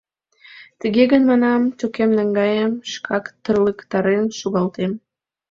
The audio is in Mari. Тыге гын, манам, тӧкем наҥгаем, шкак тырлыктарен шогалтем.